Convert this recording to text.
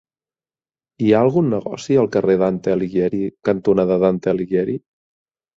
Hi ha algun negoci al carrer Dante Alighieri cantonada Dante Alighieri?